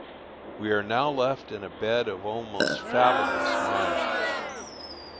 We are now left in a bed of almost fathomless mire.